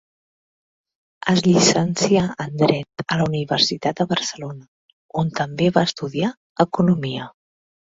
Es llicencià en dret a la Universitat de Barcelona, on també va estudiar economia.